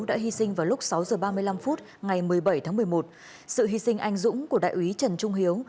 đã hy sinh vào lúc sáu h ba mươi năm phút ngày một mươi bảy tháng một mươi một sự hy sinh anh dũng của đại úy trần trung hiếu